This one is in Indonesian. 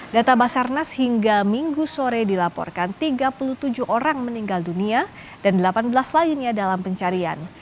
data basarnas hingga minggu sore dilaporkan tiga puluh tujuh orang meninggal dunia dan delapan belas lainnya dalam pencarian